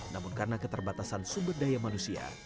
namun karena keterbatasan sumber daya manusia